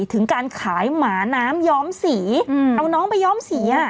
ถึงการขายหมาน้ำย้อมสีเอาน้องไปย้อมสี